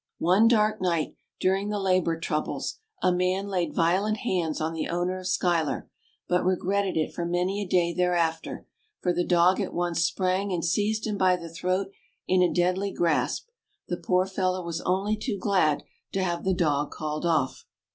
^ One dark night, during the labor troubles, a man laid violent hands on the owner of Schuyler, but regretted it for many a day thereafter, for the dog at once sprung and seized him by the throat in a deadly grasp. The poor fellow was only too glad to have the dog called off.